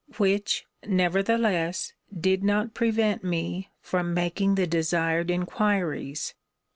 Which, nevertheless, did not prevent me from making the desired inquiries.